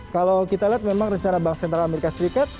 kalau kita lihat memang rencana bank sentral amerika serikat